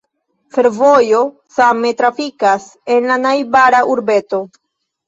Fervojo same trafikas en la najbara urbeto.